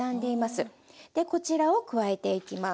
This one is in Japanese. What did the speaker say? こちらを加えていきます。